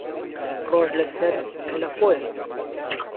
ڕۆژ لە سەر کەلەپۆیە